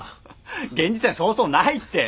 現実にはそうそうないって。